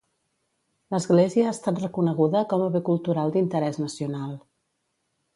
L'església ha estat reconeguda com a Bé Cultural d'Interès Nacional.